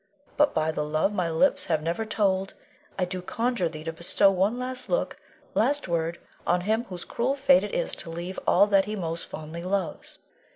But by the love my lips have never told, I do conjure thee to bestow one last look, last word, on him whose cruel fate it is to leave all that he most fondly loves.